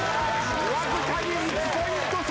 わずかに１ポイント差！